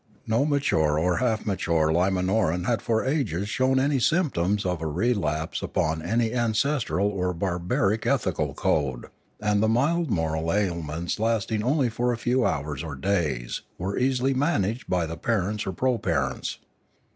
No mature or half mature Limanoran had for ages shown symptoms of a relapse upon any ancestral or barbaric ethical code, and the mild moral ailments lasting for only a few hours or days were easily managed by the parents or proparents.